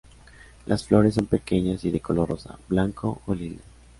Las flores son pequeñas y de color rosa, blanco o lila.